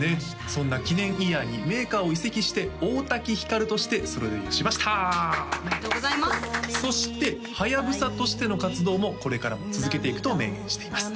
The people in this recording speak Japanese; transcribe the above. そんな記念イヤーにメーカーを移籍して大滝ひかるとしてソロデビューしましたおめでとうございますそしてはやぶさとしての活動もこれからも続けていくと明言しています